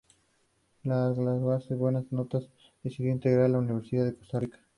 Al graduarse con buenas notas decidió ingresar a la Universidad de Costa Rica.